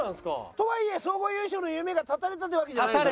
とはいえ総合優勝の夢が絶たれたという訳じゃないんですよね？